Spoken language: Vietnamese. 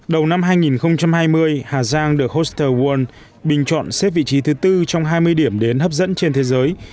đầu năm hai nghìn hai mươi hà giang the hostel world bình chọn xếp vị trí thứ tư trong hai mươi điểm đến hấp dẫn trên thế giới